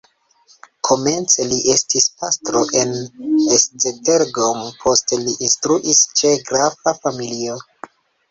Komence li estis pastro en Esztergom, poste li instruis ĉe grafa familio.